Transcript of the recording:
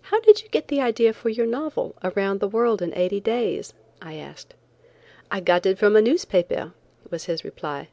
"How did you get the idea for your novel, 'Around the World in Eighty Days?'" I asked. "I got it from a newspaper," was his reply.